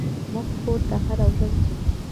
موږ کور ته هره ورځ ځو.